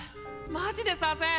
マジでさーせん！